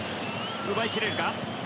奪いきれるか？